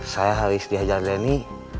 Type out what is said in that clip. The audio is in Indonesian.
saya habis dihajar leni